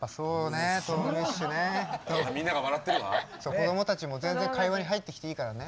子どもたちも全然会話に入ってきていいからね。